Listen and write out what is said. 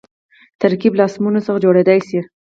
ترکیب له اسمونو څخه جوړېدای سي.